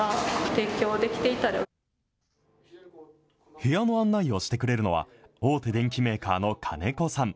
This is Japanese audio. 部屋の案内をしてくれるのは、大手電機メーカーの金子さん。